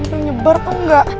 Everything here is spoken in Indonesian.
dirimu nyebar tau gak